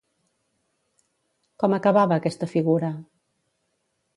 Com acabava aquesta figura?